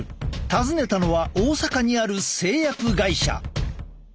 訪ねたのは大阪にある製薬会社。